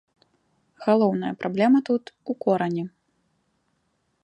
Галоўная праблема тут у корані.